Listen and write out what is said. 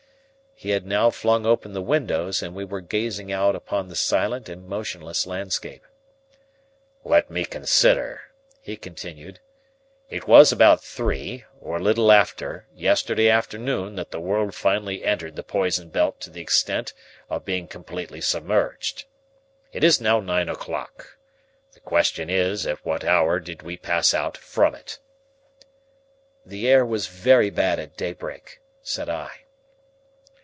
He had now flung open the windows and we were gazing out upon the silent and motionless landscape. "Let me consider," he continued. "It was about three, or a little after, yesterday afternoon that the world finally entered the poison belt to the extent of being completely submerged. It is now nine o'clock. The question is, at what hour did we pass out from it?" "The air was very bad at daybreak," said I.